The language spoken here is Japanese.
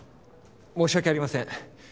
申し訳ありません。